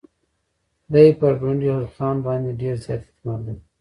دی پر ډونډي خان باندي ډېر زیات اعتماد لري.